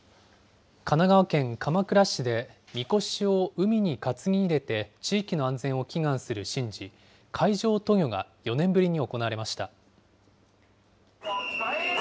神奈川県鎌倉市で、みこしを海に担ぎ入れて地域の安全を祈願する神事、海上渡御が４年ぶりに行われました。